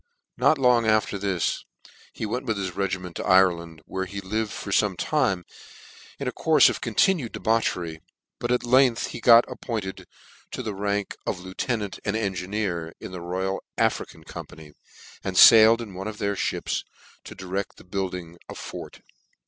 Not long after this he went with his regiment to Ireland, where he lived for fome time in a courle of continued debauchery ; but at length he got appointed to the rank of lieutenant and engineer to the Royal African Company, and failed in one of their mips to direct the building a fort.